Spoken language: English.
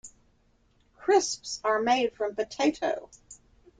Crisps are made from potato.